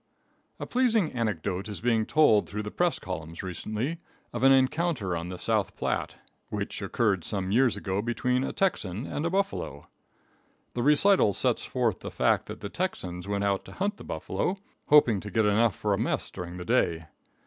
A pleasing anecdote is being told through the press columns recently, of an encounter on the South Platte, which occurred some years ago between a Texan and a buffalo. The recital sets forth the fact that the Texans went out to hunt buffalo, hoping to get enough for a mess during the day.